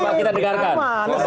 coba kita dengarkan